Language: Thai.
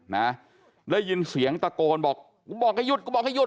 นะได้ยินเสียงตะโกนบอกกูบอกให้หยุดกูบอกให้หุ